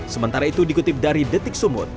sementara itu dikutip dari detik sumut